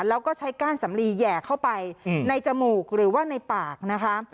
แล้วก็ใช้ก้านสำลีแห่เข้าไปในจมูกหรือว่าในปากนะคะ